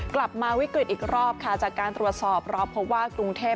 กลับมาวิกฤตอีกรอบค่ะจากการตรวจสอบเราพบว่ากรุงเทพ